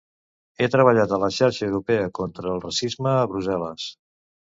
Ha treballat a la Xarxa Europea Contra el Racisme a Brussel·les.